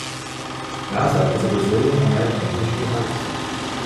Naza is a Brazilian American Visual Artist.